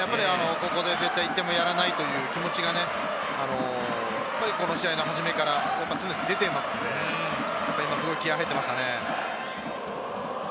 ここで絶対１点をやらないという気持ちがね、この試合の初めから常に出ていますので、今すごい気合い入ってましたね。